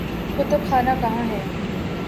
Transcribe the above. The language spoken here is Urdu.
کتب خانہ کہاں ہے؟